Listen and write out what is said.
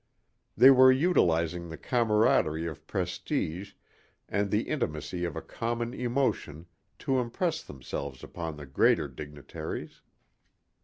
They were utilizing the camaraderie of prestige and the intimacy of a common emotion to impress themselves upon the greater dignitaries.